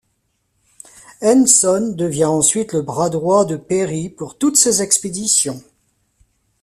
Henson devient ensuite le bras-droit de Peary pour toutes ses expéditions.